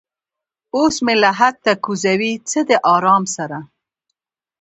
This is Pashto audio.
اوس مې لحد ته کوزوي څه د ارامه سره